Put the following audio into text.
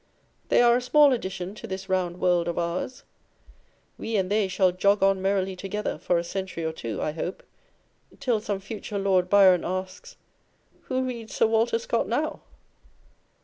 They are a small addition to this round world of ours. We and they shall jog on merrily together for a century or two, I hope, till some future Lord Byron asks, " Who reads Sir Walter Scott now